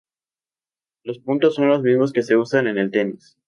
Los puntos son los mismos que se usan en el tenis.